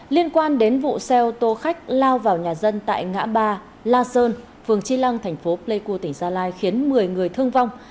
liên quan đến vụ xe ô tô khách lao vào nhà dân tại ngã ba la sơn phường chi lăng thành phố pleiku tỉnh gia lai khiến một mươi người thương vong